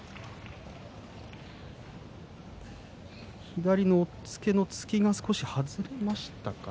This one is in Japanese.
左の押っつけの突きが少し外れましたか？